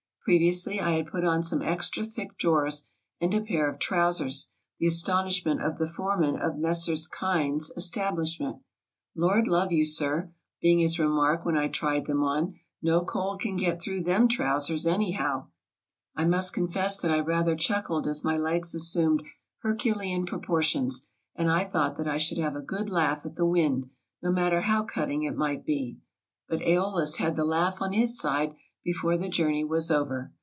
Previously I had put on some extra thick drawers and a pair of trousers, the astonishment of the foreman of Messrs. Kine's establishment. "Lord love you, sir," being his remark when I tried them on, "no cold can get through them trousers, anyhow! " I must confess that I rather chuckled as my legs assumed herculean proportions, and I thought that I should have a good laugh at the wind, no matter how cutting it might be ; but ^Eolus had the laugh on his side before the journey was over.